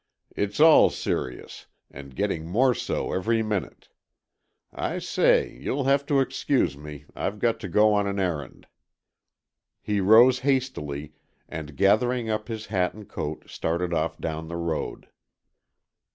"It's all serious, and getting more so every minute. I say, you'll have to excuse me, I've got to go on an errand." He rose hastily and gathering up his hat and coat, started off down the road.